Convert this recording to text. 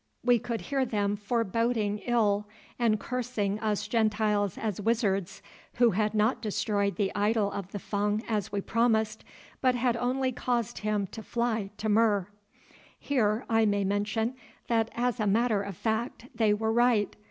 We could hear them foreboding ill, and cursing us Gentiles as wizards, who had not destroyed the idol of the Fung as we promised, but had only caused him to fly to Mur. Here I may mention that as a matter of fact they were right.